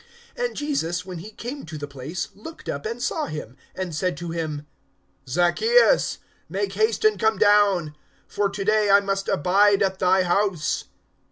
(5)And Jesus, when he came to the place, looked up and saw him, and said to him: Zaccheus, make haste and come down; for to day I must abide at thy house.